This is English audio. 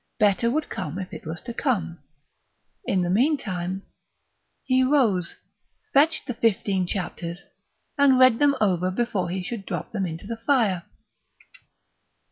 Better would come if it was to come; in the meantime He rose, fetched the fifteen chapters, and read them over before he should drop them into the fire.